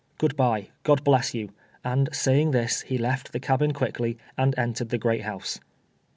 Good l)ye. God bless you," aiid saying this he left the cabin quickly, and entered the great house.